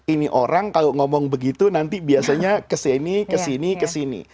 ini orang kalau ngomong begitu nanti biasanya kesini kesini kesini